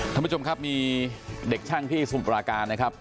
ท่านผู้ชมครับมีเด็กช่างที่สมุทราการนะครับ